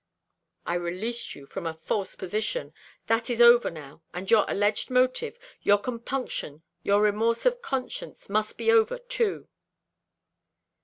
"I released you from a false position. That is over now: and your alleged motive your compunction, your remorse of conscience must be over too."